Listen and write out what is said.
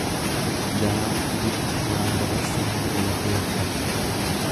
Garaaf ibiddi waan dabarse hin galateeffatu.